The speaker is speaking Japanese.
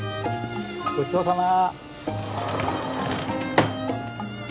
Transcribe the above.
ごちそうさま。